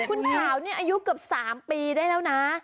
คุณขาวนี่อายุเกือบ๓ปีได้แล้วนะ